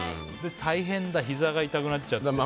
大変だ、ひざが痛くなっちゃって。